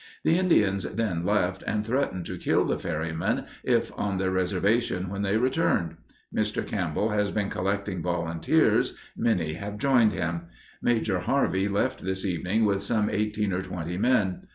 The Indians then left, and threatened to kill the ferrymen if on their reservation when they returned. Mr. Campbell has been collecting volunteers, many have joined him. Major Harvey left this evening with some eighteen or twenty men.